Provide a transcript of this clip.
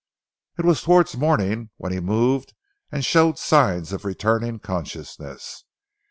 It was towards morning when he moved and showed signs of returning consciousness.